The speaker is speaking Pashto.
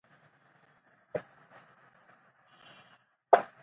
خلیلزاد د دوی لپاره په پوره توان لابي کوله.